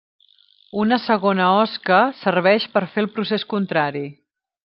Una segona osca serveix per fer el procés contrari.